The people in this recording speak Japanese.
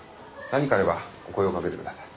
何かあればお声をかけてください。